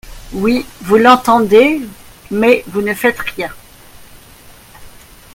Oui, vous l’entendez, mais vous ne faites rien